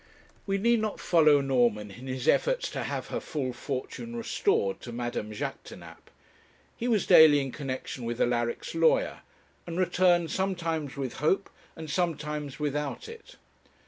We need not follow Norman in his efforts to have her full fortune restored to Madame Jaquêtanàpe. He was daily in connexion with Alaric's lawyer, and returned sometimes with hope and sometimes without it.